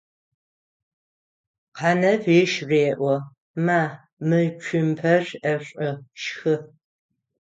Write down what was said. Къанэф ыш реӏо: «Ма, мы цумпэр ӏэшӏу, шхы!».